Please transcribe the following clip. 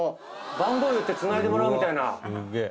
番号言ってつないでもらうみたいな。